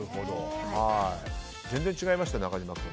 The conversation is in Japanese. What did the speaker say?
全然違いましたね、中島君。